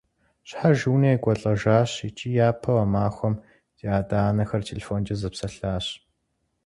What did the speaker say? Щхьэж и унэ екӀуэлӀэжащ, икӀи япэу а махуэм ди адэ-анэхэр телефонкӀэ зэпсэлъащ.